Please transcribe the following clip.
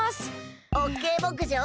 オッケーぼくじょう。